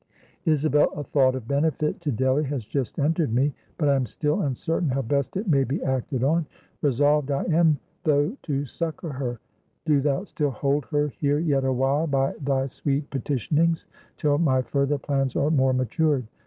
"Isabel, a thought of benefit to Delly has just entered me; but I am still uncertain how best it may be acted on. Resolved I am though to succor her. Do thou still hold her here yet awhile, by thy sweet petitionings, till my further plans are more matured.